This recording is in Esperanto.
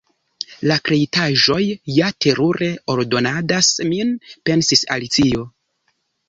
"La kreitaĵoj ja terure ordonadas min," pensis Alicio.